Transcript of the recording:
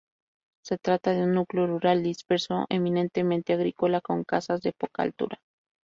Se trata de un núcleo rural disperso, eminentemente agrícola, con casas de poca altura.